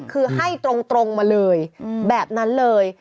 คือให้ตรงมาเลยแบบนั้นเลย